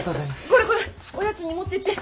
これこれおやつに持ってって。